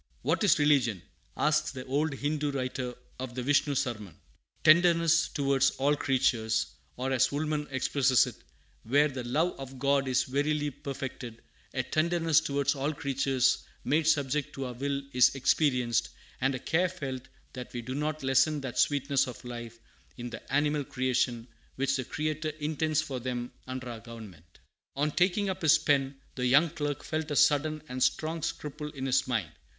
"What is religion?" asks the old Hindoo writer of the Vishnu Sarman. "Tenderness toward all creatures." Or, as Woolman expresses it, "Where the love of God is verily perfected, a tenderness towards all creatures made subject to our will is experienced, and a care felt that we do not lessen that sweetness of life in the animal creation which the Creator intends for them under our government."] On taking up his pen, the young clerk felt a sudden and strong scruple in his mind.